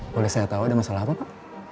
boleh saya tahu ada masalah apa pak